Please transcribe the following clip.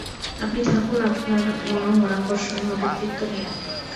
আপনি থাকুন আপনার মনোহর, আকর্ষণীয় ব্যক্তিত্ব নিয়ে।